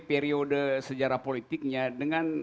periode sejarah politiknya dengan